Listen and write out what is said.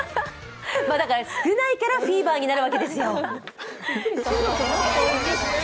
少ないからフィーバーになるわけですよ。